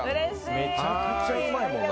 めちゃくちゃうまいもんな。